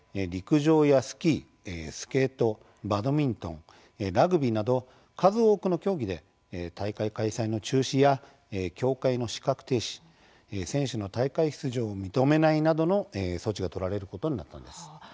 陸上やスキースケート、バドミントンラグビーなど、数多くの競技で大会開催の中止や協会の資格停止選手の大会出場を認めないなどの措置が取られることになったんです。